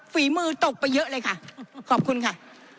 ฝีมือตกไปเยอะเลยค่ะขอบคุณค่ะ